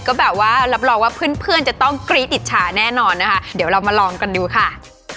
ก็แบบว่ารับรองว่าเพื่อนจะต้องกรี๊ดอิจฉาแน่นอนนะคะ